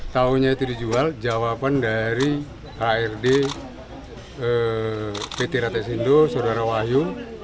tahunya itu dijual jawaban dari ard pt ratesindo saudara wahyu